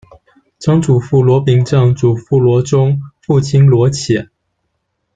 曾祖父罗秉正；祖父罗钟；父亲罗潜。